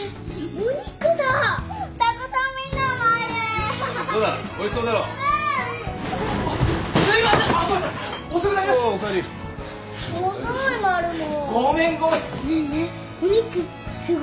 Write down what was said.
お肉すごい。